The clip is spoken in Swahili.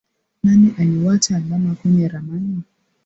Nani aliwacha alama kwenye ramani.